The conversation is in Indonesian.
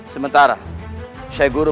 sementara saya guru